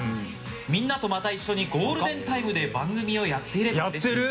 みんなと又一緒にゴールデンタイムで番組をやれていればうれしい。